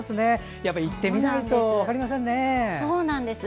やっぱり行ってみないと分かりませんね。